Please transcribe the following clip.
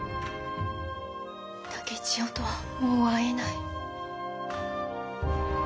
竹千代とはもう会えない。